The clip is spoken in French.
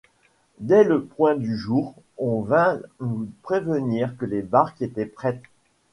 Dès le point du jour, on vint nous prévenir que les barques étaient prêtes.